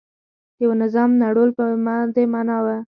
د یوه نظام نړول په دې معنا و.